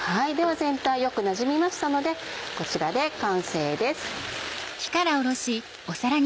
では全体よくなじみましたのでこちらで完成です。